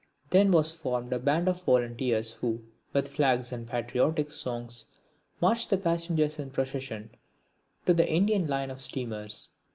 Then was formed a band of volunteers who, with flags and patriotic songs, marched the passengers in procession to the Indian line of steamers.